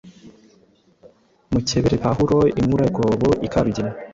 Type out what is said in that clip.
mukebere pahulo inkurarwobo i karugina